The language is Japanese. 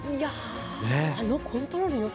あのコントロールのよさ